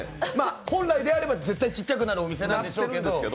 本来であれば絶対ちっちゃくなるお店なんでしょうけど。